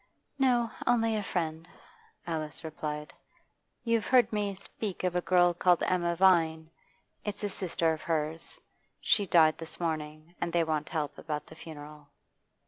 'No, only a friend,' Alice replied. 'You've heard me speak of a girl called Emma Vine. It's a sister of hers. She died this morning, and they want help about the funeral.